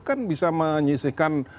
kan bisa menyisihkan